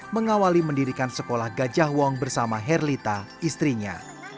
mengawali mendirikan sekolah gajah wong bersama herlita istrinya